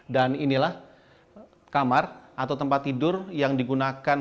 dan inilah kamar atau tempat tidur yang digunakan